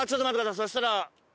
そしたら。